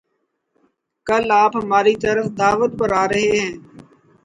کل آپ ہماری طرف دعوت پر آرہے ہیں